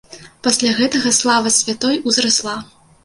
Пасля гэтага слава святой ўзрасла.